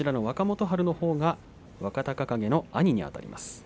若元春のほうが若隆景の兄にあたります。